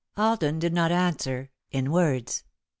Alden did not answer in words.